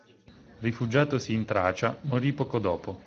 Rifugiatosi in Tracia morì poco dopo.